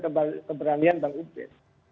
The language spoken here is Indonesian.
keberanian bang ubed